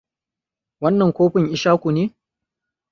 Wannan kofin Ishaku ne?